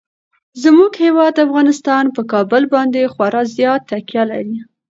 زموږ هیواد افغانستان په کابل باندې خورا زیاته تکیه لري.